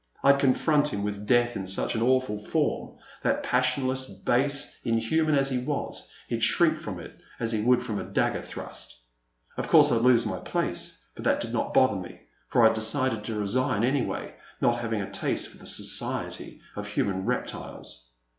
I 'd confront him with Death in such an awful form, that, pas sionless, base, inhuman as he was, he 'd shrink from it as he would from a dagger thrust. Of course I 'd lose my place, but that did not bother me, for I had decided to resign anyway, not having a taste for the society of human reptiles.